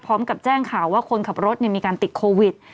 พร้อมกับแจ้งข่าวว่าคนขับรถมีการติดโควิด